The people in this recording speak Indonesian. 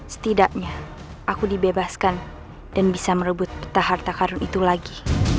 setidaknya aku dibebaskan dan bisa merebut peta harta karun itu lagi